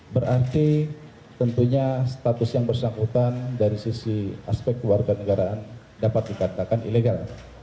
berarti tentunya status yang bersangkutan dari sisi aspek keluarga negaraan dapat dikatakan ilegal